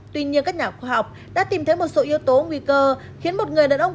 tuy nhiên các nhà khoa học đã tìm thấy một số yếu tố nguy cơ khiến một người đàn ông